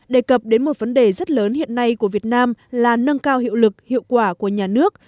đề cập đến một vấn đề rất lớn hiện nay của việt nam là nâng cao hiệu lực hiệu quả của nhà nước